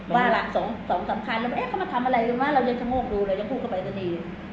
ว่าละ๒คันแล้วเอ้ยเข้ามาทำอะไรรสมโกดูเลยแล้วก็พูดกับไปเตนี